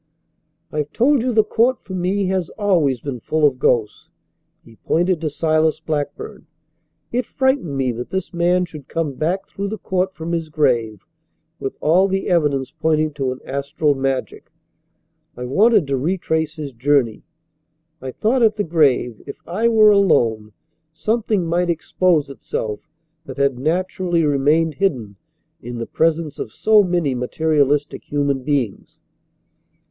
"I have told you the court for me has always been full of ghosts." He pointed to Silas Blackburn. "It frightened me that this man should come back through the court from his grave with all the evidence pointing to an astral magic. I wanted to retrace his journey. I thought at the grave, if I were alone, something might expose itself that had naturally remained hidden in the presence of so many materialistic human beings."